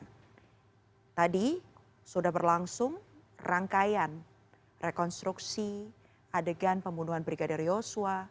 dan tadi sudah berlangsung rangkaian rekonstruksi adegan pembunuhan brigadier joshua